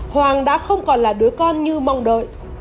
hoàng đã không còn là đứa con như mong đợi